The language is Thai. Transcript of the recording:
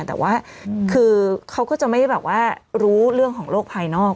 แต่ว่าเขาก็จะไม่รู้เรื่องของโรคภายนอก